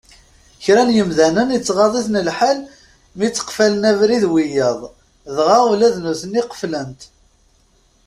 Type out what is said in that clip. Kra n yimdanen ittɣad-iten lḥal mi tteqfalen abrid wiyaḍ, dɣa ula d nutni qeflen-t.